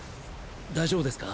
大丈夫ですか？